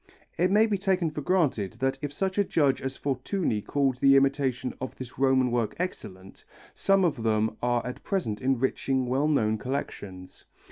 It may be taken for granted that if such a judge as Fortuny called the imitation of this Roman work excellent, some of them are at present enriching well known collections.